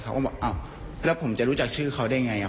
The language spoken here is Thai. เขาก็บอกอ้าวแล้วผมจะรู้จักชื่อเขาได้ไง